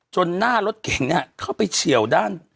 จนหน้ารถเก่งเนี่ยเข้าไปเฉี่ยวด้าน